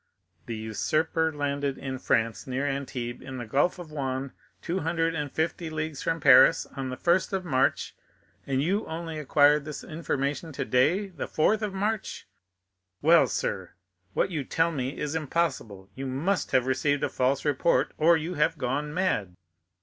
"The usurper landed in France, near Antibes, in the Gulf of Juan, two hundred and fifty leagues from Paris, on the 1st of March, and you only acquired this information today, the 3rd of March! Well, sir, what you tell me is impossible. You must have received a false report, or you have gone mad."